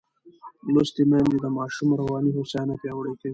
لوستې میندې د ماشوم رواني هوساینه پیاوړې کوي.